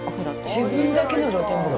自分だけの露天風呂？